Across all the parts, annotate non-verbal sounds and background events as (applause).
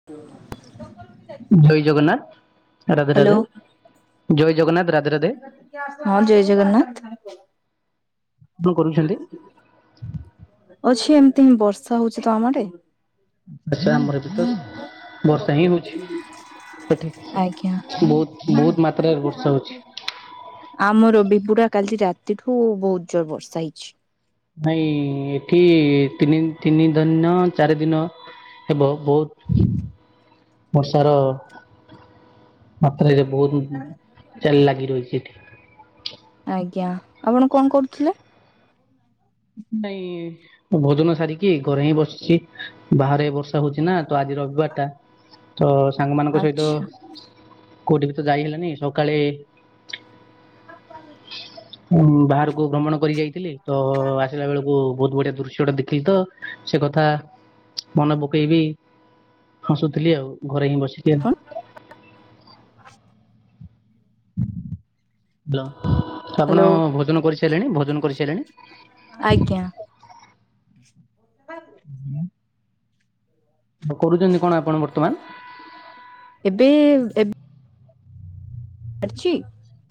(inaudible) ଜୟ Jagannath Radhe hello Radhe. ଜୟ ଜଗନ୍ନାଥ ରାଧେ ରାଧେ। ହଁ ଜୟ ଜଗନ୍ନାଥ। କଣ କରୁଛନ୍ତି? ଅଛି ଏମିତି ହି ବର୍ଷା ହୋଉଛି ତ ଆମ ଆଡେ। ଆଛା ଆମର ଏପଟେ ବର୍ଷା ହିଁ ହୋଉଛି। ଏଠୀ ଆଜ୍ଞା ବହୁତ ବହୁତ ମାତ୍ରାରେ ବର୍ଷା ହୋଉଛି। ଆମର ବି ପୁରା କାଲି ରାତିଠୁ ବହୁତ ଜୋରେ ବର୍ଷା ହେଇଛି। ନାଇଁ ଏଠି ତିନି ତିନି ଦନୟ ଚାରି ଦିନ ଏ ବହୁତ ବହୁତ ବର୍ଷାର ମାତ୍ରାରେ ବହୁତ ଜାଲି ଲାଗି ରହିଛି ଏଠି। ଆଜ୍ଞା ଆପଣ କଣ କରୁଥିଲେ? ନାଇଁ ତ ଭୋଜନ ସାରିକି ଘରେ ହିଁ ବସିଛି ବାହାରେ ବର୍ଷା ହୋଉଛି ନା ତ ଆଜିର ଦ୍ଵାର୍ ଟା ତ ସାଙ୍ଗମାନଙ୍କ ସହିତ ଆଚ୍ଛା କୋଉଠି ବି ତ ଯାଇ ହେଲାନି ସକାଳେ ଊ ବାହାରକୁ ଭ୍ରମଣ କରି ଯାଇଥିଲି ତ ଆସିଲା ବେଳକୁ ବହୁତ ବଢିଆ ଦୃଶ୍ୟ ଟା ଦେ ଥିତ ସେ କଥା ମନେ ପକେଇବି ହସୁଥିଲି ଆଉ। ଘରେ ହିଁ ବସିିକି। ଆପଣ (unintelligible) ହ୍ୟାଲ ଆପଣ ହ୍ୟାଲୋ ଭୋଜନ କରି ସାରିଲେଣି ଭୋଜନ କରି ସାରିଲେଣି? ଆଜ୍ଞା। (unintelligible) ହୁଁ। କ କରୁଛନ୍ତି କଣ ଆପଣ ବର୍ତ୍ତମାନ? ଏବେ ଏବ୍ ଏଡ୍ ଛି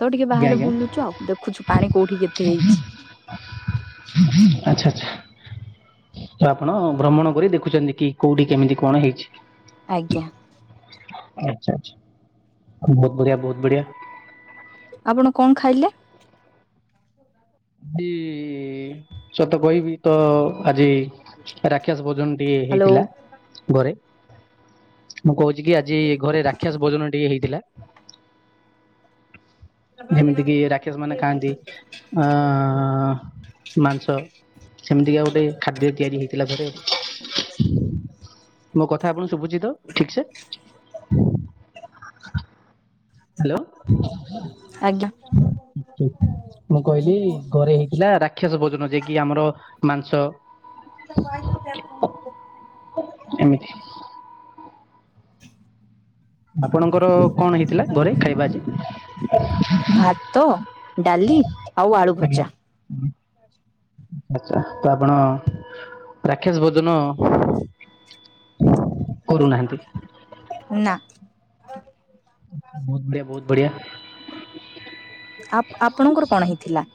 ତ ଟିକେ ଆଜ୍ଞା ବାହାରେ ଆଜ୍ଞା ବୁଲୁଛୁ ଆଉ ଦେଖୁଛୁ ପାଣି କୋଉଠି କେତେ ହେଇଛି। ଆଚ୍ଛା ଆଚ୍ଛା। ତ ଆପଣ ଭ୍ରମଣ କରି ଦେଖୁଛନ୍ତି କି କୋଉଠି କେମିତି କଣ ହେଇଛି। ଆଜ୍ଞା ଆଛା ଆଛା ବହୁତ ବଢିଆ ବହୁତ ବଢିଆ। ଆପଣ କଣ ଖାଇଲେ? ଭୀ ସତ କହିବି ତ ଆଜି ରାକ୍ଷସ ଭୋଜନ ଟିକେ ହ୍ୟାଲୋ ହେଇଥିଲା ଘରେ। ମୁଁ କହୁଛି କି ଆଜି ଘରେ ରାକ୍ଷସ ଭୋଜନ ଟି ହେଇଥିଲା। ଯେମିତି କିି ରାକ୍ଷାସ ମାନେ ଖାଆନ୍ତି ଅଁ ମାଂସ। ସେମିତିକା ଗୋଟେ ଖାଦ୍ୟ ତିଆରି ହେଇଥି ଥିଲା ପରେ ମୋ କଥା ଆପଣ ଶୁଭୁଛି ତ ଠିକ୍ ସେ? ହ୍ୟାଲୋ। ଆଜ୍ଞା ମୁଁ କହିଲି ଘରେ ହେଇଥିଲା ରାକ୍ଷସ ଭୋଜନ ଯେ କିି ଆମର ମାଂସ। ଏମିତି (unintelligible) ଆପଣଙ୍କର କଣ ହେଇଥିଲା ଘରେ ଖାଇବା ଆଜି? ଭାତ, ଡାଲି, ଆଉ ଆଳୁ ଭଜା। ହୁଁ। ଆଛା ତ ଆପଣ ରାକ୍ଷାସ ଭୋଜନ କରୁନାହାନ୍ତି। ନା। ବହୁତ ବଢିଆ ବହୁତ ବଢିଆ। ଆପ ଆପଣଙ୍କର କଣ ହେଇଥିଲା?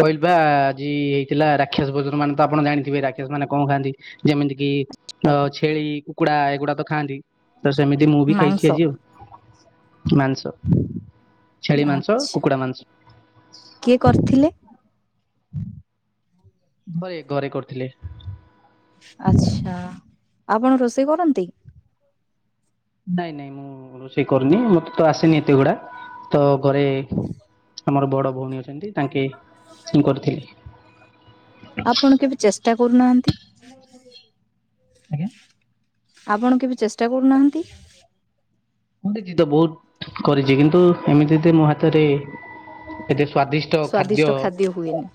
କହିଲି ବା ଆଜି ହେଇଥିଲା ରାକ୍ଷାସ ଭୋଜନ ମାନେ ତ ଆପଣ ଜାଣିଥିବେ ରାକ୍ଷସ ମାନେ କଣ ଖାଆନ୍ତି। ଯେମିତି କି ଅ ଛେଳି କୁକୁଡା ଏଗୁଡା ତ ଖାଆନ୍ତି। ତ ସେମିତି ମୁଁ ବି ମାଂସ ଖାଇଛି ଆଜି ଆଉ। ମାଂସ। ଛେଳି ମାଂସ କୁକୁଡା ଆଛା ମାଂସ। କିଏ କରିଥିଲେ? (inaudible) ହୟେ ଘରେ କରିଥିଲେ। ଆଚ୍ଛା ଆପଣ ରୋଷେଇ କରନ୍ତି? ନାଇଁ ନାଇଁ ମୁଁ ରୋଷେଇ କରୁନି। ମତେ ତ ଆସେନି ଏତେଗୁଡା। ତ ଘରେ ଆମର ବଡ ଭଉଣୀ ଅଛନ୍ତି ତାଙ୍କେ କରିଥିଲେ। ଟା କରୁନାହାନ୍ତି। ଆଜ୍ଞା। ଆପଣ କେବେ ଚେଷ୍ଟା କରୁନାହାନ୍ତି? ମୁଁ ଦେଖିଚି ତ ବହୁତ କରିଚି କିନ୍ତୁ ଏମିତି ତେ ମୋ ହାତରେ ଏତେ ସ୍ଵାଦିସ ଦ୍ୟ ସ୍ଵାଦିଷ୍ଟ ଖାଦ୍ୟ ହୁଏନି।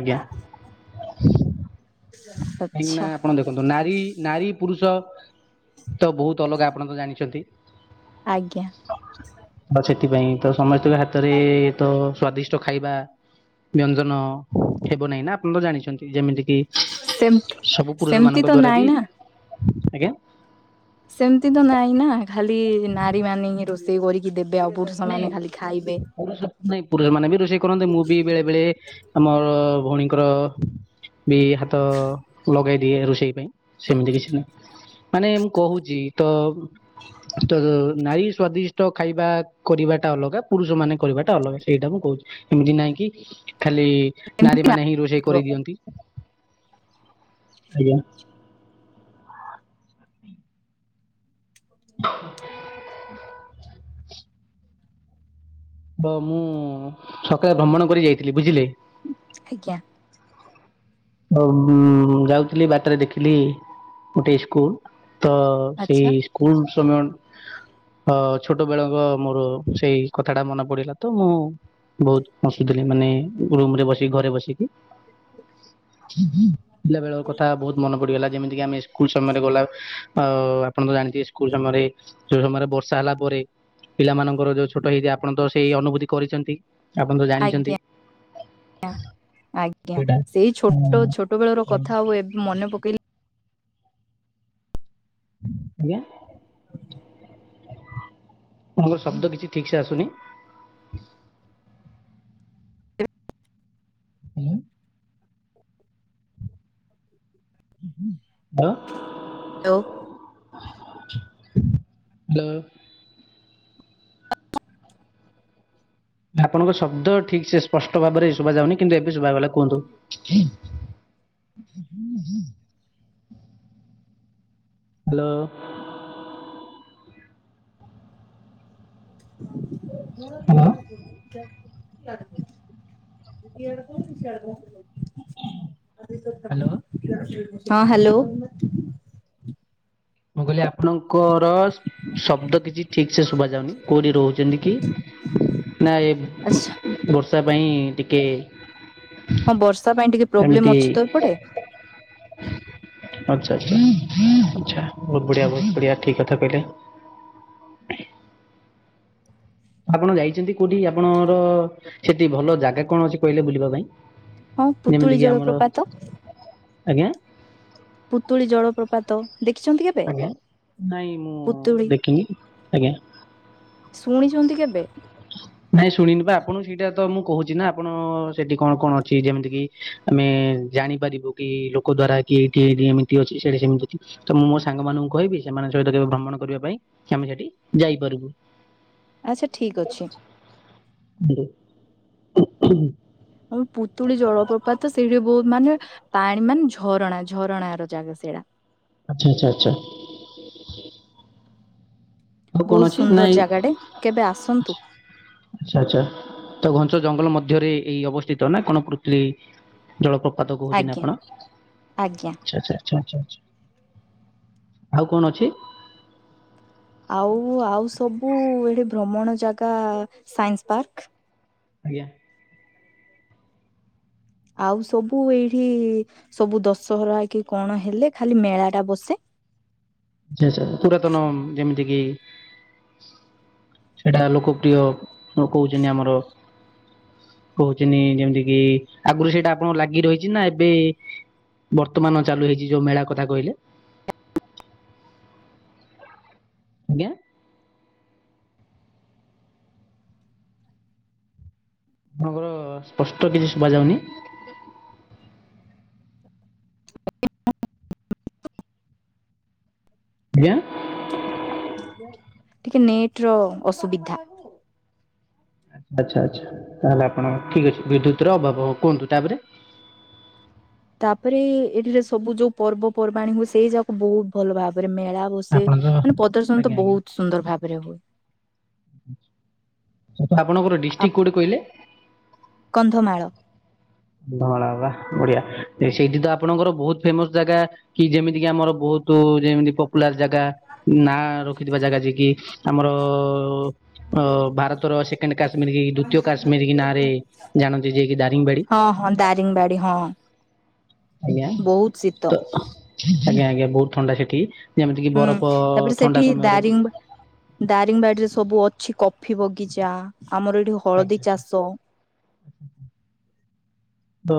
ଆଜ୍ଞା। (inaudible) କାହିଁକି ନା ଆପଣ ଦେଖନ୍ତୁ ନାରୀ ନାରୀ ପୁରୁଷ ତ ବହୁତ ଅଲଗା ଆପଣ ତ ଜାଣିଛନ୍ତି। ଆଜ୍ଞା ଆଉ ସେଥିପାଇଁ ତ ସମସ୍ତଙ୍କ ହାତରେ ତ ସ୍ଵାଦି ଖାଇବା ବ୍ୟଞ୍ଜନ ହେବ ନାହିଁ ନା ଆପଣ ତ ଜାଣିଚନ୍ତି। ଯେମିତି କି ସେମତି ସବୁ ସେମିତି ତ ପୁରୁଷମାନଙ୍କ ଦ୍ଵାରା ନାଇଁ ବି ନା ଆଜ୍ଞା ସେମତି ତ ନାଇଁ ନା ଖାଲି ନାରୀ ମାନେ ହିଁ ରୋଷ୍ ନାଇଁ ପୁରୁଷ ନାଇଁ ପୁରୁଷମାନେ ବି ରୋଷେଇ କରନ୍ତି। ମୁଁ ବି ବେଳେ ବେଳେ ଆମର ଭଉଣୀଙ୍କର ବି ହାତ ଲଗାଇ ଦିଏ ରୋଷେଇ ପାଇଁ। ସେମିତି କିଛି ନାହିଁ ମାନେ ମୁଁ କହୁଚି। ତ ତ ନାରୀ ସ୍ଵାଦିଷ୍ଟ ଖାଇବା କରିବାଟା ଅଲଗା ପୁରୁଷ ମାନେ କରିବାଟା ଅଲଗା ସେଇଟା ମୁଁ କହୁଚି। ଏମିତି ନାଇଁ କି ଖାଲି ଏମିତି ନାରୀମାନେ ହିଁ ରୋଷେଇ ନାଥିବ କରିଦିଅନ୍ତି ଆଜ୍ଞା। (inaudible) ବ ମୁଁ ସକାଳେ ଭ୍ରମଣ କରି ଯାଇଥିଲି ବୁଝିଲେ? ଆଜ୍ଞା। ତ ମୁ ଯାଉଥିଲି ବାଟରେ ଦେଖିଲି ଗୋଟେ ସ୍କୁଲ ତ। ସେଇ ଆଚ୍ଛା ସ୍କୁଲ ସମୟ। ଅ ଛୋଟବେଳ ଙ୍କ ମୋର ସେଇ କଥା ଟା ମନେ ପଡିଲା ତ ମୁଁ। ବହୁତ ହସୁଥିଲି ମାନେ ରୁମରେ ବସିକି ଘରେବସିକି। ପିଲାବେଳର କଥା ବହୁତ। ମନେ ପଡିଗଲା ଯେମିତିକି ଆମେ ସ୍କୁଲ ସମୟରେ ଗଲା ଆପଣ ତ ଜାଣିଥୀବେ ସ୍କୁଲ ସମୟରେ। ଯୋଉ ସମୟରେ ବର୍ଷା ହେଲା ପରେ ପିଲା ମାନଙ୍କର ଯୋଉ ଛୋଟ ହେଇଯାଏ ଆପଣ ତ ସେଇ ଅନୁଭୂତି କରିଚନ୍ତି। ଆଜ୍ଞା ଆଜ୍ଞା ସେଇଟା ସେଇ ଛୋ ଟ ଛୋଟ ବେଳର କଥା ଆଉ ଏବେ ମନେ ପକେଇଲେ ଆଜ୍ଞା। (inaudible) ତମର ଶବ୍ଦ କିଛି ଠିକ୍ ସେ ଆସୁନି। ହାଲୋ। ହାଲୋ। ହାଲୋ। ହାଲୋ। ଆପଣଙ୍କ ଶବ୍ଦ ଠିକ୍ ସେ ସ୍ପଷ୍ଟ ଭାବରେ ଶୁଭା ଯାଉନି କିନ୍ତୁ ଏବେ ଶୁଭା ଗଲା। କୁହନ୍ତୁ। ହାଲୋ। (inaudible) ହ୍ୟାଲୋ ହ୍ୟାଲୋ (unintelligible) ହଁ ହାଲୋ। ମୁଁ କହିଲି ଆପଣଙ୍କର ଶବ୍ଦ କିଛି ଠିକ ସେ ଶୁଭା ଯାଉନି କୋଉଠି ରହୁଛନ୍ତି କି। ନା ଏ ଆଚ୍ଛା ବର୍ଷା ପାଇଁ ଟିକେ। ହଁ ବର୍ଷା ପାଇଁ ଟିକେ ପ୍ରୋବ୍ଲେମ୍ ଏମିତି ଅଛି ତ ଏପଟେ। ଆଛା ଆଛା ଆଛା ବହୁତ ବଢିଆ ବହୁତ ବଢିଆ ଠିକ କଥା କହିଲେ। ଆପଣ ଯାଇଛନ୍ତି କୋଉଠି ଆପଣଙ୍କ ର ସେଠି ଭଲ ଜାଗା କଣ ଅଛି କହିଲେ ବୁଲିବା ପାଇଁ। ହଁ ପୁତୁଳି ଯେମିତିକି ଆମର ଜଳପ୍ରପାତ ଆଜ୍ଞା। ପୁତୁଳି ଜଳପ୍ରପାତ। ଦେଖିଛନ୍ତି କେବେ। ଆଜ୍ଞା ନାଇଁ ମୁଁ ପୁତୁଳି ଦେଖିନି ଆଜ୍ଞା। ଶୁଣିଛନ୍ତି କେବେ। ନାଇଁ ଶୁଣିନି ବା ଆପଣ ସେଇଟା ତ ମୁଁ କହୁଛି ନା ଆପଣ ସେଠି କଣ କଣ ଅଛି ଯେମିତି କିି। ଆମେ ଜାଣିପାରିବୁ କି ଲୋକ ଦ୍ଵାରା କି ଏଇଠି ଏମିତି ଅଛି ସେଠା ସେମିତି ଅଛି। ତ ମୁଁ ମୋ ସାଙ୍ଗମାନାନଙ୍କୁ କହିବି ସେମାନଙ୍କ ସହିତ କେବେ ଭ୍ରମଣ କରିବା ପାଇଁ ଆମେ ସେଠି ଯାଇପାରିବୁ ଆଚ୍ଛା ଠିକ ଅଛି। (unintelligible) ଆବେ ପୁତୁଳି ଜଳପ୍ରପାତ ସେଇଠି ବହୁତ ମାନେ। ପାଣୀ ମାନେ ଝରଣା ଝରଣା ର ଜାଗା ସେଇଟା। ଆଛା ଆଛା ଆଛା। ଆଉ କଣ ବହୁତ ଅଛି ସୁନ୍ଦର ନାଇଁ ଜାଗାଟେ କେବେ ଆସନ୍ତୁ। ଆଛା ଆଛା ତ ଘଞ୍ଚ ଜଙ୍ଗଲ ମଧ୍ୟରେ ଏଇ ଅବସ୍ଥିତ ନା କଣ ପୂତୁଳି। ଜଳ ପ୍ରପାତ କହୁଛି ନା ଆଜ୍ଞା ଆପଣ ଆଜ୍ଞା ଆଛା ଆଚ୍ଛା‌ ଆଚ୍ଛା ଆଚ୍ଛା ଆଚ୍ଛା ଆଉ କଣ ଅଛି? ଆଉ ଆଉ ସବୁ ଏଠି ଭ୍ରମଣ ଜାଗା ସାଇନ୍ସ ପାର୍କ। ଆଜ୍ଞା। ଆଉ ସବୁ ଏଇଠି ସବୁ ଦଶହରାକି କଣ ହେଲେ ଖାଲି ମେଳାଟା ବସେ ଆ ଆଛା ପୁରାତନ ଯେମିତିକିି ସେଇଟା ଲୋକପ୍ରିୟ କହୁଚନ୍ତି ଆମର କହୁଚନି ଯେମିତିକିି ଆଗରୁ ସେଇଟା ଆପଣଙ୍କୁ ଲାଗି ରହିଚିନା ଏବେ ବର୍ତ୍ତମାନ ଚାଲୁ ହେଇଚି ଯୋଉ ମେଳା କଥା କହିଲେ? ଆଜ୍ଞା। ଆପଣଙ୍କର ସ୍ପଷ୍ଟ କିଛି ଶୁବା ଯାଉନି। (unintelligible) ଆଜ୍ଞା। ଟିକେ ନେଟର ଅସୁବିଧା। ଆଚ୍ଛା ଆଚ୍ଛା ଆଚ୍ଛା ତାହେଲେ ଆପଣ ଠିକ୍ ଅଛି ବିଦ୍ୟୁତର ଅଭାହବ କୁହନ୍ତୁ ତାପରେ? ତାପରେ ଏଠିରେ ସବୁ ଯୋଉ ପର୍ବପର୍ବାଣୀ ହୁଏ ସେଇ ଯାକ ବହୁତ୍ ଭଲ ଭାବରେ ମେଳା ସେ ଆପଣଙ୍କ ମାନେ ପ୍ରଦର୍ଶନତ ଆଜ୍ଞା ବହୁତ୍ ସୁନ୍ଦର ଭାବରେ ହୁଏ। ଆଚ୍ଛା ଆପଣଙ୍କର ଆ ଡିଷ୍ଟ୍ରିକ୍ କୋଉଠି କହିଲେ? କନ୍ଧମାଳ। କନ୍ଧମାଳ ବା ବଡ଼ିଆ ସେଇଠିତ ଆପଣଙ୍କର ବହୁତ୍ ଫେମସ୍ ଜାଗା କି ଯେମିତିକି ଆମର ବହୁତ୍ ଯେମିତି ପପୁଲାର ଜାଗା ନାଁ ରଖିଥିବା ଜାଗା ଯିଏକିି ଆମର ଅ ଭାରତର ସେକେଣ୍ଡ କାଶ୍ମୀରକି ଦ୍ଵିତୀୟ କାଶ୍ମୀର କି ନାଁରେ ଜାଣନ୍ତି ଯିଏକି ଦାରିଙ୍ଗିବାଡ଼ି। ହଁ ହଁ ଦାରିଙ୍ଗିବାଡ଼ି ହଁ ଆଜ୍ଞା ବହୁତ୍ ତ ଶୀତ। ଆଜ୍ଞା ଆଜ୍ଞା ବହୁତ୍ ଥଣ୍ଡା ସେଠି। ଯେମିତି କି ହୁଁ ବରଫ ତାପରେ ଥଣ୍ଡା ସେଠି ସମୟରେ ଦାରିଙ୍ଗବା ଦାରିଙ୍ଗବାଡ଼ିରେ ସବୁ ଅଛି କଫି ବଗିଚା ଆମର ଏଠି ହଳଦୀ ଆଚ୍ଛା ଆଚ୍ଛା ଚାଷ ହୁଁ ହୁଁ। ତ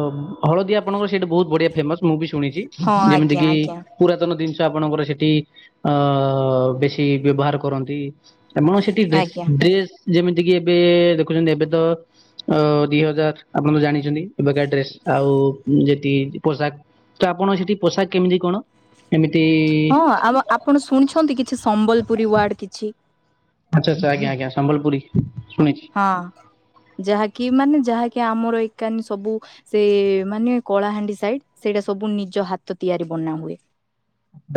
ହଳଦୀ ଆପଣଙ୍କର ସେଇଟି ବହୁତ୍ ବଢ଼ିଆ ଫେମସ ମୁଁବି ଶୁଣିଚି ହଁ ଆଜ୍ଞା ଯେମିତିକିି ଆଜ୍ଞା ପୁରାତନ ଜିନିଷ ଆପଣଙ୍କର ସେଠି ଅ ବେଶୀ ବ୍ୟବହାର କରନ୍ତି। ତନଭା ସିଟି ବେଷ୍ଟ ଆଜ୍ଞା ଡ୍ରେସ୍ ଯେମିତିକି ଏବେ ଦେଖୁଛନ୍ତି ଏବେତ ଅ ଦି ହଜାର ଆପଣତ ଜାଣିଚନ୍ତି। ଏବେକାର ଡ୍ରେସ୍ ଆଉ ଜଟି ପୋଷାକ ତଆପଣ ସେଠି ପୋଷାକ କେମିତି କଣ? ଏମିତି ହଁ ଆମ ଆପଣ ଶୁଣିଛନ୍ତି କିଛି ସମ୍ବଲପୁରୀ ୱାର୍ଡ କିଛି? ଆଚ୍ଛା ଆଚ୍ଛା ଆଜ୍ଞା ଆଜ୍ଞା ସମ୍ବଲପୁରୀ ଶୁଣିଚି। ହଁ ଯାହାକି ମାନେ ଯାହାକି ଆମର ଏକାନେ ସବୁ ସେ ମାନେ କଳାହାଣ୍ଡି ସାଇଟ୍ ସେଇଟା ସବୁ ନିଜ ହାତ ତିଆରି ବନା ହୁଏ।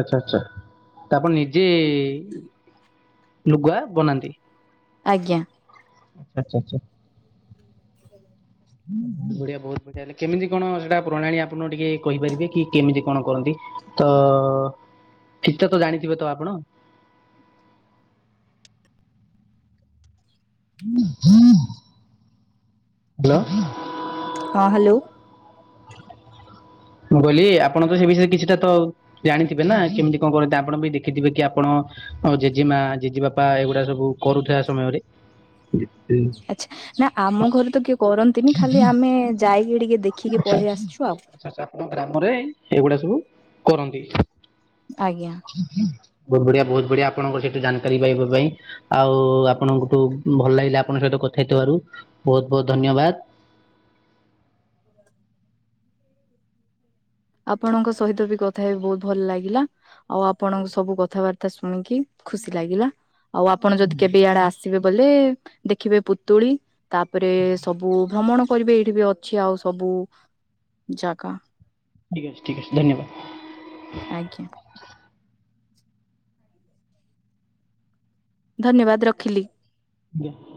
ଆଚ୍ଛା ଆଚ୍ଛା ତଆପଣ ନିଜେ ଲୁଗା ବନାନ୍ତି? ଆଜ୍ଞା। ଆଚ୍ଛା ଆଚ୍ଛା ଆଚ୍ଛା। (unintelligible) ବଢ଼ିଆ ବହୁତ୍ ବଢ଼ିଆ ହେଲେ କେମିତି କଣ ସେଟା ପ୍ରଣାଳୀ ଆପଣ ଟିକେ କହିପାରିବେକି କେମିତି କଣ କରନ୍ତି? ତ ଠିକ୍ ଠାକ୍ ତ ଜାଣିଥିବେତ ଆପଣ? ହାଲୋ। ହଁ ହାଲୋ। ମୁଁ କହିଲି ଆପଣ ତ ସେ ବିଷୟରେ କିଛିଟା ତ ଜାଣିଥିବେ ନା କେମିତି କଣ କରନ୍ତି ଆପଣ ବି ଦେଖିଥିବେ କି ଆପଣ ଆଉ ଜେଜେମା ଜେଜେ ବାପା ଏଇଗୁଡା ସବୁ କରୁଥିବା ସମୟରେ। ଏବେ ଆଚ୍ଛା ନା ଆମ ଘରେ ତ କିଏ କରନ୍ତିନି ଖାଲି ଆମେ ଯାଇକିି ଟିକେ ଦେଖିକି ଆଛା ଆଛା ପଳେଇ ଆସିଛୁ ଆଉ ଆଛା ଆଛା ଆପଣଙ୍କ ଗ୍ରାମରେ ଏଇଗୁଡା ସବୁ କରନ୍ତି। ଆଜ୍ଞା। ବହୁତ ବଢିଆ ବହୁତ ବଢିଆ ଆପଣଙ୍କର ସେଇଠୁ ଜାନକାରୀ ପାଇବା ପାଇଁ ଆଉ ଆପଣଙ୍କଠୁ ଭଲ ଲାଗିଲା ଆପଣଙ୍କ ସହିତ କଥା ହେଇଥିବାରୁ ବହୁତ ବହୁତ ଧନ୍ୟବାଦ। ହ ଆପଣଙ୍କ ସହିତ ବି କଥା ହେଇ ବହୁତ ଭଲ ଲାଗିଲା ଆଉ ଆପଣଙ୍କ ସବୁ କଥାବାର୍ତ୍ତା ଶୁଣିକି ଖୁସି ଲାଗିଲା। ଆଉ ଆପଣ ଯଦି କେବେ ଇଆଡେ ଆସ ସିବେ ବୋଲେ ଦେଖିବେ ପୁତୁଳି। ତାପରେ ସବୁ ଭ୍ରମଣ କରିବେ ଏଇଠି ବି ଅଛି ଆଉ ସବୁ ଜାଗା। ଠିକ୍ ଅଛି ଠିକ ଅଛି ଧନ୍ୟବାଦ। ଆଜ୍ଞା। ଧନ୍ୟବାଦ ରଖିଲି। ଆଜ୍ଞା।